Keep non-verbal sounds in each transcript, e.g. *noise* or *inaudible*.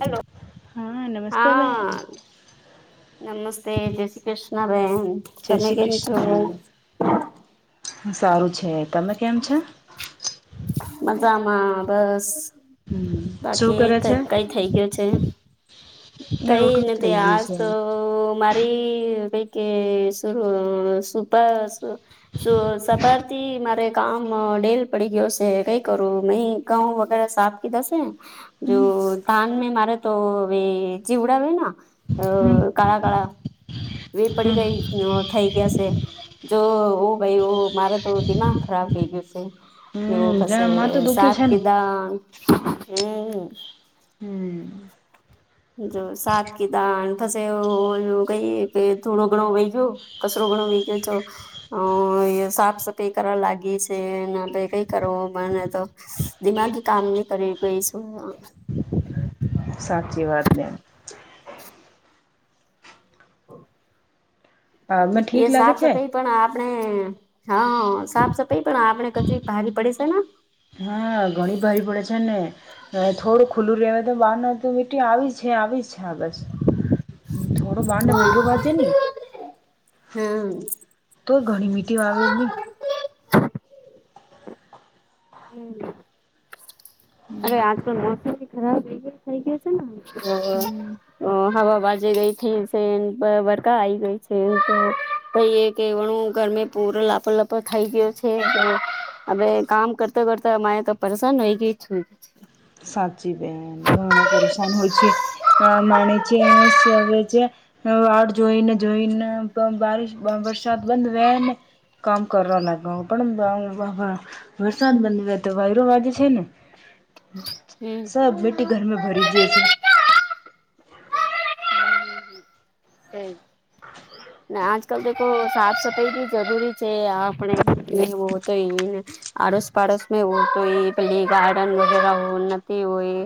Hello. હા નમસ્તે બેન. હા નમસ્તે, જય શ્રી કૃષ્ણ બેેન. જય તમે શ્રી કેમ છો? કૃષ્ણ. સારું છે. તમે કેમ છો? મજામાં બસ. હમ. શું બાકી કરે તો છે કઈ થઇ ગયો છે. ને કઈ રોટલું થઈ નથી ગયું આજ છે. તો મારે *unintelligible* થી મારે કામ ડેલ પડી ગયો છે કઈ કરું મે ઘઉં વગેરે સાફ કીધાસે. જો હમ ધાન મે મારે તો વ જીવડાવ ના અ હમ કાળા કાળા એ પડી હમ ગઈ થઈ. ગયા છે જો ભાઈ મારો તો દિમાગ ખરાબ થઈ ગું છે. એવું હમ જરા પછી માથું દુખ્યું સાત છે ને વીઘા ક *unintelligible* હમ. જો સાત કીધાને પછી ઓલો કઇ થશે કઈ કે થોડો ઘણો વહી ગયો કચરો કો સાફ સફાઈ કરવા લાગી છે કઈ કરો મ તો દિમાગી કામ ન કરી એશું સાચી વાત. હા. હાલમાં એ ઠીક લાગે સાફ છે? સફાઈ પણ આપણે હા સાફ સફા હા ઘણી ભારી પડે છે ને થોડુંક ખુલ્લું રહેવા તો બહારનો તો મીટ્ટી આવી જ છે આવી જ છે આ બસ થોડો બાડને વાયરો બાજે નહી હમ. તોય ઘણી મીઠી આવે જ નહી. હમ. અરે આજ તોલ મોસમ ખરાબ થઇ ગ છે હમ તો હવા અવાજે ગઈ થઈ છે વરકા આઈ ગઈ છે એમ તો કઈ એ વણું ઘરમે પૂરો લાપ લપર થઈ ગયો છે હવે કામ કરતાં કરતા અમારે તો પરેશાન હોઈ ગય. ઠીક છે. સાચી બેન ઘણો પરેશાન હોય છે. અ માણે છે હશે એ હવે છે વાળ જોઈને જોઈને પન બારીશ પન વરસાદ બંધ વે ને કામ કરવા લાગ્યો પણ વ વરસાદ બંધ તો વાયરોવાજે છે ને. હમ. સબ બેટી ઘરમાં ભરી જે છે. *unintelligible* ન આજકાલ દોતો સાફ સફાઈ બી જરૂરી છે આપણે એવું તો એને આડોસ પાડોસમાં હો તો એ પહેલી ગાર્ડન વગેરે હોન્ન હોય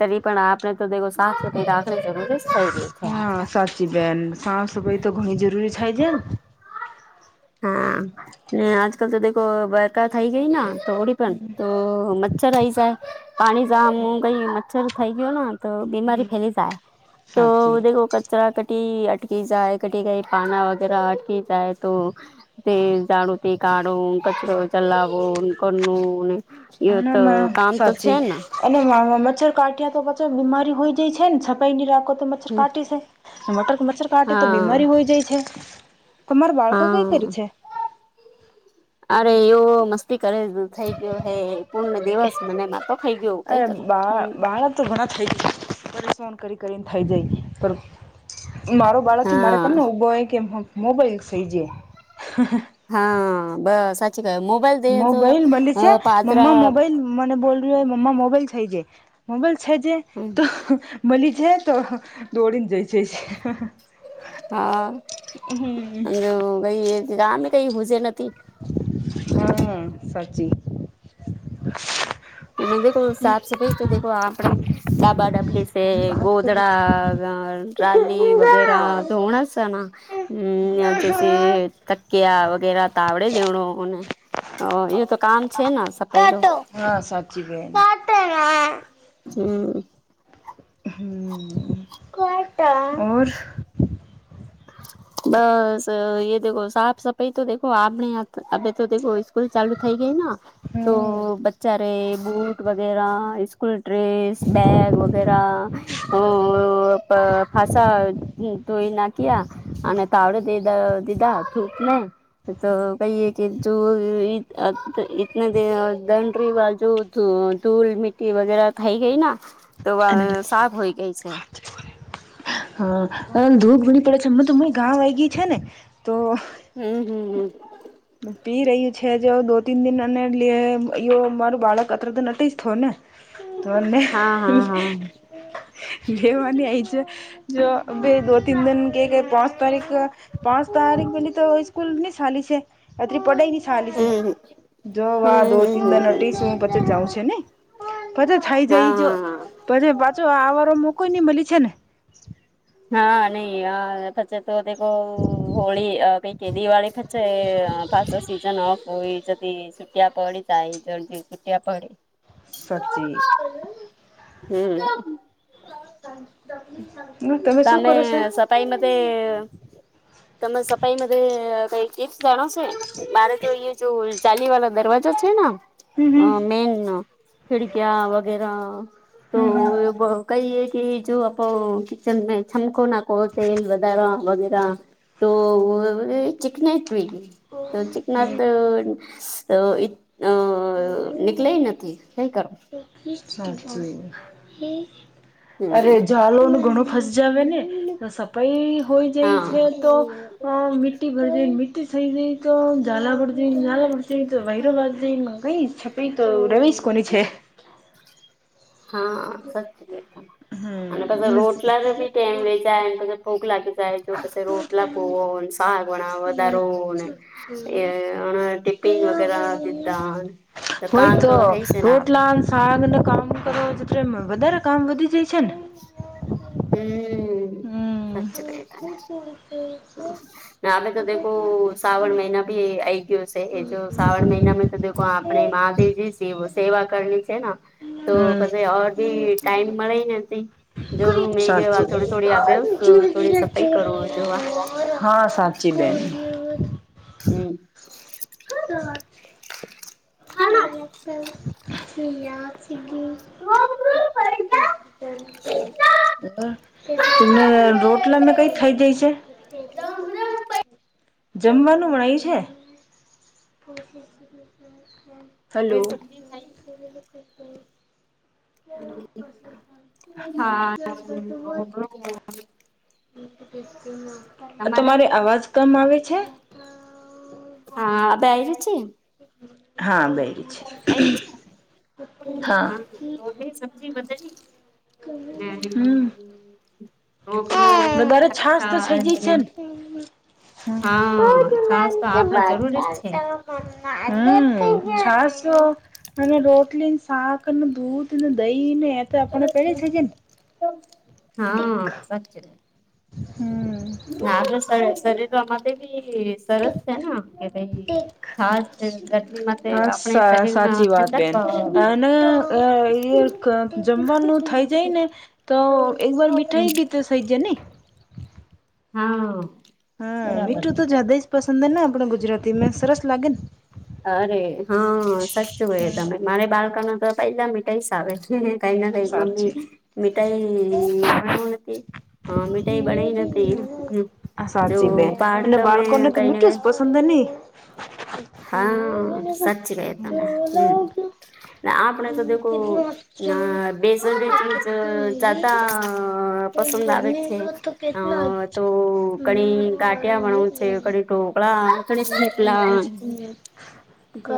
તરી પણ આપ આપણે તો જેઓ સાખ રોટલી રાખે જરૂરી સ. હા સાચી બેન સાફ સફાઈ તો ઘણી જરૂરી છે જેન હા, ને આજ કલ તો દેખો બરકા થઈ ગઈ ન તોડી પણ તો મચ્છર આઈ જાય પાણી જ આમ કઈ મચ્છર થઈ ગયો ન. તો બીમારી ફેલી જાય તો સાચી દેખો કચરા કટી અટકી જાય કટી કઈ પાના વગેરે અટકી જાય તો તે જાડું તે કાડું કચરો ચલાવો કોનું તો અને કામ તો છે ન કાટે તો પછી બીમાારી હોય જાય છે ન છતાઈ નિરાકર મચ્છર કાટે છે મટર મચ્છર કાટે તો હા બીમારી હોય જાય છે. તમારું બાળકો કઈ કર્યું હા છે. એવ મસ્તી કર ગ્યો થઈ ગ્યો હે પૂરો દિવસ મને માંતો ખઇ ગ્યો કઈ અરે કરું બા હમ. બાળક તો ઘણા થઈ *inaudible* પરેશાન કરી કરીને થઈ જાય પર મારો બાળક મારે હા તમને ઉભો હોય કે મોબાઈલ થઈ જાય હ હ. હા, બસ આ મોબાઈલ મલી છે મમ્મા પાત્રા મોબાઈલ મને બોલ રહ્યું ને મા મોબાઈલ છે જે મોબાઈલ છે જે તો મલી છે તો હ દોડીને જાય છે હા હા. હા, હમ કઈ ગામે કઈ હજે નથી. હા, સાચી. એ દો સાફ સફાઈ તો દેખો આપણા ડાબા ડબલી તે વાત કર ગોધડા ટાલી વગેરા ધોણસાના હ. એયા જેશે કત કેયા વગેરા તા આવડે દેવણો એ તો કામ છે ના સતયરો કાટો હા, સાચી ભઈ હમ. હ કોટર હર્ષ *unintelligible* બસ એ દેખો સાફ સફાઈ તો દેખો આપની આ આપડે તો દેખો સ્કૂલ ચાલુ થઈ ગઈ ના તો હમ. બચ્ચા રે બૂટ વગેરા સ્કૂલ ડ્રેસ બેગ વગેરા તો અ ફસાની તોઈ ના તેયા અને તાવડે તેદ દીધા ઠીક ને તો કહીએ કે જો એ તો ઈ અ *unintelligible* દ દંડરી વા જો ધૂલ મિ્ટી વગેરા ખાાઈ ગઈ ના તો વા સાફ હોય ગઈ સે. હા, અ જો ધૂખ ભૂની પડે છે હ તો મ ગાં આવી ગય છે ને તો હમ હમ હમ. પી રહ્યું છે જે દો તિન દિન અને લે લો મારું બાળક અત્ર તો નતી જ થ ને. ધરને હા હા હા લેવાની આઈ જ જો બે દો તીન દિન કેય કે પાંચ તારીખ પાંચ તારીખ પેલી તો સ્કૂલની ચાલી છે અત્રિ પડયની ચાલીસ હમ જો વા દો તી મને ટી શું હું પછી જાઉં છે ને પછ થઇ જાય જો પછી પાછો આ વારો મોકોઈ નઈ મળી છે ને હા નહી હાં પછ ત તે કૌ હોળી અ પેં કે દિવાળી ખચ પાછો સીઝન ઓફ હોય જતી છૂટિયા પડી જાય *inaudible* *unintelligible* સાચી હમ *inaudible* તમે કરો છો? સફાઈ મતે તમે સફાઈ મતે કઈ કેફ જાણો છે મારે તો જો ચાલી વાળા દરવાજા છે ને હમ હમ અ મેન ખિડક્યા વગેરા હમ હમ હમ. તોબ કહીયે કે જો આપડો *unintelligible* છમકો ના કહો તેલ વધારા વગેરા તો ચિકને *unintelligible* ચિકના તો તો અ નીકલેય નથી હું કર સાચુ હમ અરે જાલો ન ઘણો ફસ જાવે ને તો સફાઈ હોય જાય હા છે તો *unintelligible* કઈ છપરી તો રવીશ કોની છે હા સાચી બેઠ અને પાછા હમ રોટલા ને બી ટાઈમ વે છા ભૂગ લાગી રોટલા *inaudible* સાહણા વધારો હો ને એ અને ટી કામ હોય તો હૈ છે ને આપડે રોટલા શાકનું કા *unintelligible* વધારે કામ વધી જાય છે ને હમ હમ સાચુ કેય તમે *unintelligible* તો દેખો શ્રાવણ મહિના ભી આઈ ગયો છે એ જો સાાવણ મહિનામાં તો આપણે મહાદેવજી સેવા કર તો પછી ઓર બી ટાઈમ હમ મળે નથી જોડું મેહી ગવા સાચી થોડી થોડી આ બેવસું થોડી સફાઈ કરું જોવા. હા સાચી હમ *inaudible* હમ *inaudible* *inaudible* *inaudible* તુંમને રોટલામે કઈ થઈ જઈ છે *inaudible* જમવાનું બણાય છે હલો *inaudible* *inaudible* તમારે અવાજ કમ આવે છે હા બાયરી ચે હા બાયરી છે હા હમ રોટલો વધારે છાસ તો થઈ જઈ છે ને *inaudible* હા છાસ તો આપણે જરૂરી જ છે હમ છસો અને રોટલી શાક, દૂધ ને દહી ને એ તો આપને પેલે છે જેમ હા *inaudible* *inaudible* સરસ છે કે ભાઈ, હમ છાસ ગરમીમાં આપણે શરીર ના ન અને જમવાનું થઈ જાય ને, તો એકવાર મીઠાઈ બી તો સઈજ ને. હા. હા બરાબર મીઠું તો જ્યાદા જ પસંદ ને આપણ ગુજરાતી મે સરસ લાગે ને. અરે હા સસ્તું હોય તમે મારે બાળક ન તો પેલા મીઠાઈસ આવે. કઈ ના કઈ મમ્મી, સાચી મિઠાઈ ખ હતી. હા મીઠાઈ બના નથી. આ જો સાચી બેન, અને પાર્લર મેં બાળકોને તો કઈ ને મીક્યું કઈ જ પસંદ નહી. હા સાચી વા તમે હમ. ના આપણે તો દખો અ બેસન ચીજ ચાધ હ પસંદ આવેે જ છે. અ તો ઘણી ગાટિયા ભણવું છે ઘણી ઢોકળા. પલા *unintelligible*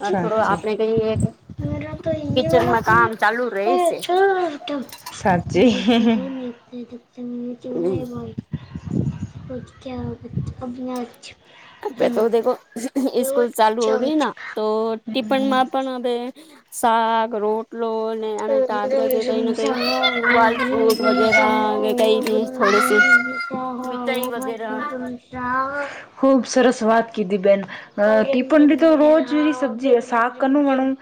હ થોડું સાચી. આપણે કઈ એક મેરા તો એ વાલા કિચનમાં કામ ચાલુ ર છે. હમ *unintelligible* *unintelligible* હવે તો દેખો સ્કૂલ ચાલુ હો ગઈના તો ટિફનમાં પણ હવે સાગ રોટ રલન સાઓ ફલ ભું ફ્રૂટ ગ વગેરા કે કઈ સમો બી થોડીસી *unintelligible* ા મીઠાઈ વગેરા હો મશા ખૂબસરત *unintelligible* સ્વાદ કીધી બેન, અ ટીપન તો રોજ સબ્જી સાક કનું વણું,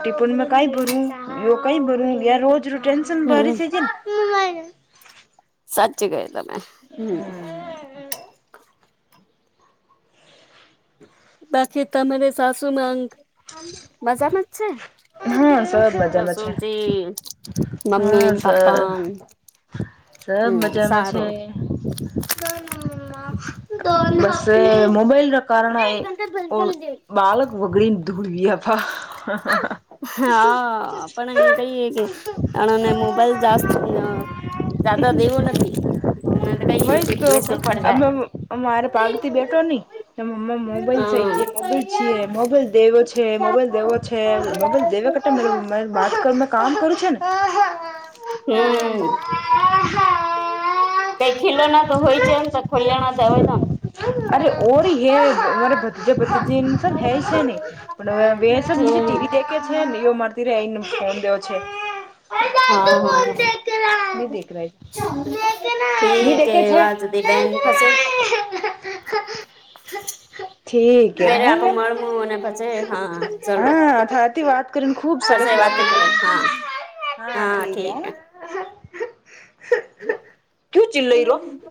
ટી પણ મે કઈ ભરું કઈ ભરું રોજ ર ટેન્શન હમ ભરીસ છે ને. સાચી કહ્યું તમે હમ હમ. બાકી તમારે સાસુમાંક મજામાં જ છે? હા સોગ મજામાં છે. સસુરજી હા મમ્મી સર પપ્પા સબ હમ મજામાં છે. સારું મોબાઈલખ *unintelligible* કારણ ઓ બાળક વગડીને ધોળવી આપા. હા પણ અહી કહીએે કે, મોબાઈલ જાસ્ત દાદા દેવ નથી. અને તો વ કઈ તો પ્રેશર પડ અમે અમારે પાગ થી બેઠો નહી. એ મ્મા મોબાઈલ થ છે મોબાઈલ છીએ મોબાઈલ દેવો છે મોબાઈલ દે છે જાય મોબાઈલ દેવે બાત કર કામ કરું છે ને. હમ, પખી ખના તો હોય છે ને તો ખોલણા દવાય તમ. અરે ઓરિ હ. હે છે ને, તો પણ હમ ટીવી દેખ છે હા ને એ માતી રે છો દ્યો છે. હા હા, ની દેખ રહા હે ની ઠીક. વાત હતી બેન ફસે. હ *unintelligible* *inaudible* વરે હે આપે બેન મળમું અને પછી હા ચલો, હા થારથી વાત કરીને ખુબ પછ સરસ વા લાગ્યું બેન. હા. હા ઠીક એ. કું ચિલ્લાઈ રહ *unintelligible*